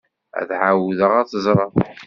Ad ɛawdeɣ ad t-ẓreɣ.